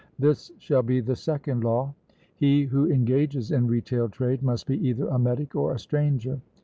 This shall be the second law: He who engages in retail trade must be either a metic or a stranger.